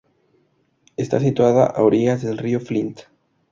Está situada a orillas del río Flint.